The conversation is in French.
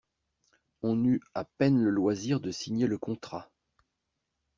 On eut à peine le loisir de signer le contrat.